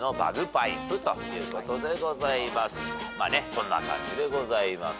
こんな感じでございます。